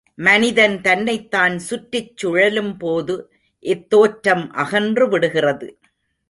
மனிதன் தன்னைத்தான் சுற்றிச் சுழலும்போது இத்தோற்றம் அகன்று விடுகிறது.